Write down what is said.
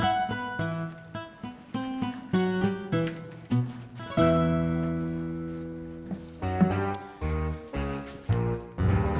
dari dulu ga ada kok pat